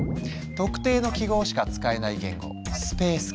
特定の記号しか使えない言語「スペースキー」。